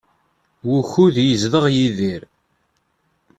Wukud yezdeɣ Yidir?